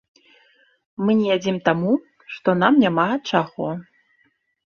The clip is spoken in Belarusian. Мы не ядзім таму, што нам няма чаго.